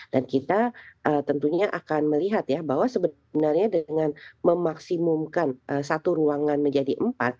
dan kita tentunya akan melihat ya bahwa sebenarnya dengan memaksimumkan satu ruangan menjadi empat